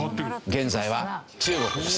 現在は中国です。